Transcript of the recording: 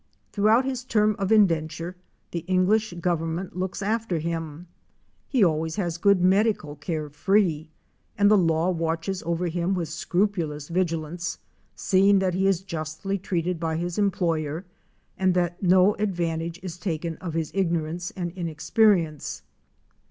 Throughout his term of indenture the English government looks after him. He always has good medical care free, and the law watches over him with scrupulous vigilance, secing that he is justly treated by his employer, and that no advan tage is taken of his ignorance and inexperience.